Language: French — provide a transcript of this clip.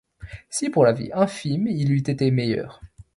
Si pour la vie infime il eût été meilleur